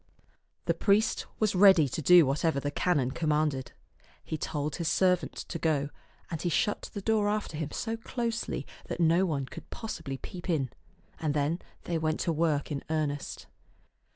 The priest was ready to do whatever the canon com manded. He told his servant to go, and he shut the door after him so closely that no one could possibly peep in ; and then they went to work in earnest.